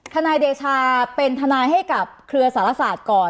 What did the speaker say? ทนายเดชาเป็นทนายให้กับเครือสารศาสตร์ก่อน